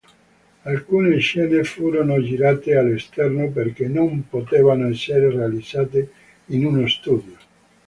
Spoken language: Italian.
Alcune scene furono girate all'esterno perché non potevano essere realizzate in uno studio.